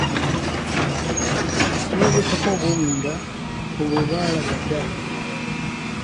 N’obubikkako obw’omunda obwo baalaba dda.